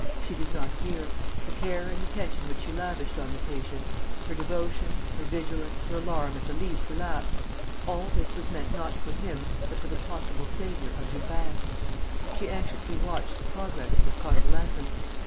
She did not hear. The care and attention which she lavished on the patient, her devotion, her vigilance, her alarm at the least relapse: all this was meant not for him, but for the possible saviour of Gilbert. She anxiously watched the progress of his convalescence.